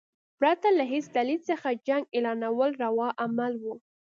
پرته له هیڅ دلیل څخه جنګ اعلانول روا عمل وو.